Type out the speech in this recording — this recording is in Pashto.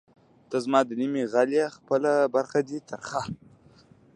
ته زما د نیمې غل ئې خپله برخه دی تر ترخه